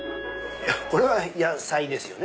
これは野菜ですよね